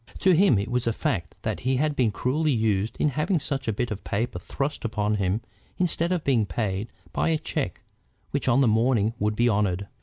To him it was a fact that he had been cruelly used in having such a bit of paper thrust upon him instead of being paid by a check which on the morning would be honored.